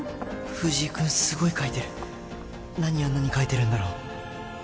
藤井君すごい書いてる何あんなに書いてるんだろう